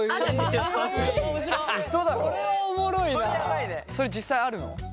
それは実際あるの？